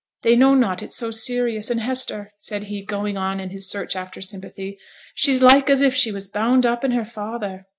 They know not it's so serious; and, Hester,' said he, going on in his search after sympathy, 'she's like as if she was bound up in her father.'